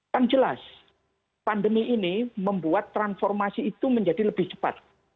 kan jelas pandemi ini membuat transformasi itu menjadi lebih cepat